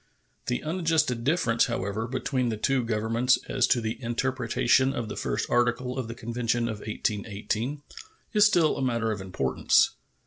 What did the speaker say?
The unadjusted difference, however, between the two Governments as to the interpretation of the first article of the convention of 1818 is still a matter of importance.